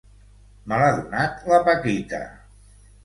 Me l'ha donat la Paquita.